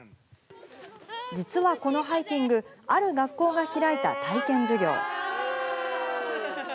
実はこのハイキング、ある学校が開いた体験授業。